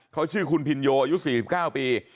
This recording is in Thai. เขาชื่อคุณพินโยอายุ๔๙ปี